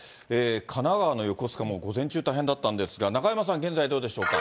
神奈川の横須賀も午前中大変だったんですが、中山さん、現在どうでしょうか。